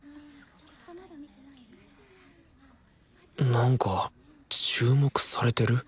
なんか注目されてる？